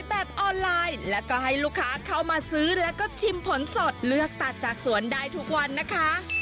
แบบออนไลน์แล้วก็ให้ลูกค้าเข้ามาซื้อแล้วก็ชิมผลสดเลือกตัดจากสวนได้ทุกวันนะคะ